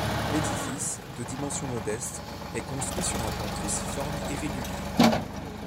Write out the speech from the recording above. L'édifice, de dimension modeste, est construit sur un plan cruciforme irrégulier.